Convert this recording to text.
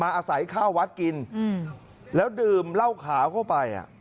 มาอาศัยข้าววัดกินอืมแล้วดื่มเล่าขาเข้าไปอ่ะ